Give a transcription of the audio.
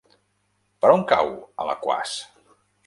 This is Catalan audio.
Per on cau Alaquàs?